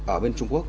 ở bên trung quốc